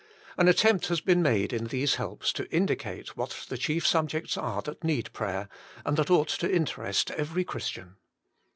An attempt has been made in these helps to indicate what the chief subjects are that need prayer, and that ought to interest every Christian.